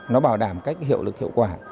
nó bảo đảm các cái hiệu lực hiệu quả